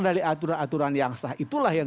dari aturan aturan yang sah itulah yang